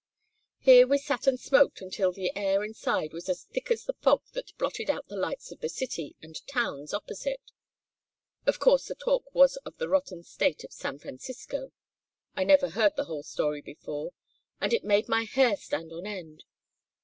"Here we sat and smoked until the air inside was as thick as the fog that blotted out the lights of the city and towns opposite. Of course the talk was of the rotten state of San Francisco. I never heard the whole story before, and it made my hair stand on end.